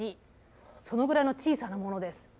そのぐらいの小さなものです。